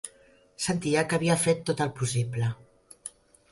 Sentia que havia fet tot el possible.